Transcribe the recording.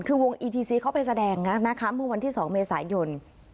คือวงอีทีซีเขาไปแสดงนะนะคะเมื่อวันที่๒เมษายน